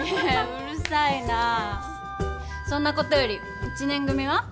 うるさいなあそんなことより１年組は？